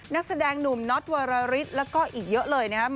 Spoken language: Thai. นักแสดงหนุ่มน็อตวรริสแล้วก็อีกเยอะเลยนะครับ